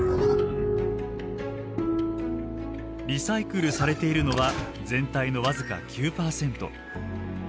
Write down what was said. リサイクルされているのは全体の僅か９％。